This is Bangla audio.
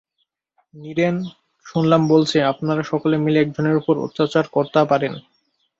নীরেন শুনলাম বলচে-আপনারা সকলে মিলে একজনের ওপর অত্যাচার কর্তা পারেন।